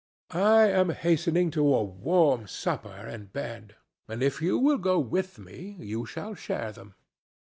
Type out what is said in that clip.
I am hastening to a warm supper and bed; and if you will go with me, you shall share them."